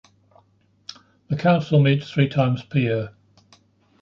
The Council meets three times per year.